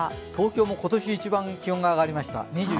東京も今年一番気温が上がりました。